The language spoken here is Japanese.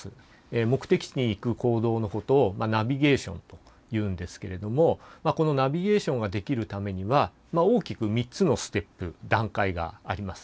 目的地に行く行動のことをナビゲーションというんですけれどもこのナビゲーションができるためには大きく３つのステップ段階があります。